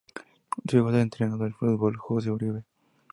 Su hijo es el entrenador de fútbol Josu Uribe.